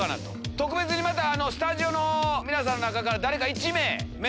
特別にまたスタジオの皆さんの中から。